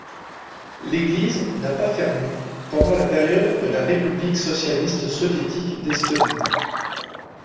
L'église n'a pas fermé pendant la période de la république socialiste soviétique d'Estonie.